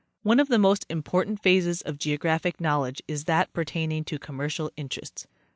One of the most important phases of geographic knowledge is that pertaining to commercial interests.